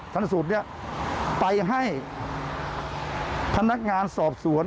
ชั้นส่วนเนี้ยไปให้พนักงานสอบสวน